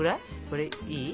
これいい？